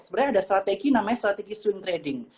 sebenarnya ada strategi namanya strategi swing trading